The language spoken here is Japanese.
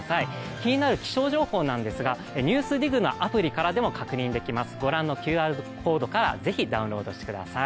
気になる気象情報なんですが「ＮＥＷＳＤＩＧ」のアプリからでも確認できます、ご覧のＱＲコードから是非、ダウンロードしてください。